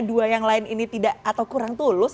dua yang lain ini tidak atau kurang tulus